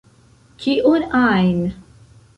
Kion ajn!